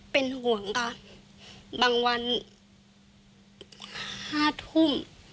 เป็นห่วงค่ะบางวัน๕ทุ่ม